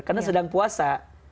karena sedang puasa